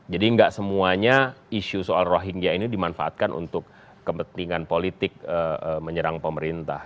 jadi enggak semuanya isu soal rohingya ini dimanfaatkan untuk kepentingan politik menyerang pemerintah